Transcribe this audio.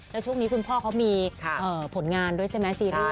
แล้วช่วงนี้คุณพ่อเขามีผลงานด้วยใช่ไหมซีรีส